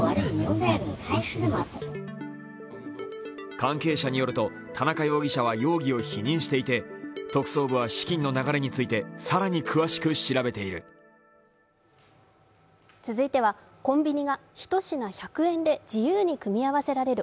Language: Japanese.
関係者によると田中容疑者は容疑を否認していて特捜部は資金の流れについて更に詳しく調べている。